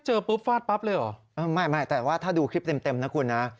ปุ๊บฟาดปั๊บเลยเหรอไม่ไม่แต่ว่าถ้าดูคลิปเต็มนะคุณนะ